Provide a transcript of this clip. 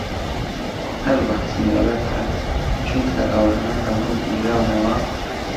هەر وەخت نۆرەت هات، چونکە ئەوانە هەموو گیراونەوە